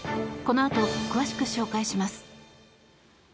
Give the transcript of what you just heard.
このあと詳しく紹介します。